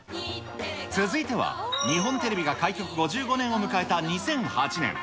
続いては、日本テレビが開局５５年を迎えた２００８年。